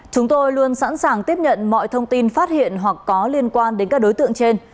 chúng tôi luôn sẵn sàng tiếp nhận mọi thông tin phát hiện hoặc có liên quan đến các đối tượng trên